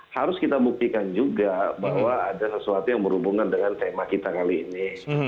harus kita buktikan juga bahwa ada sesuatu yang berhubungan dengan tema kita kali ini